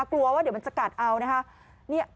กลัวว่าจะกัดเอานะคะ